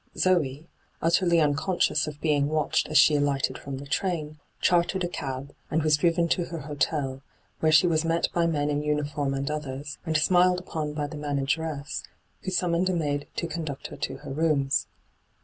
Zoe, utterly unconscious of being watched as she alighted from the train, chartered a cab, and was driven to her hotel, where she was met by men in uniform and others, and smiled upon by the manageress, who summoned a maid to conduct her to her rooms.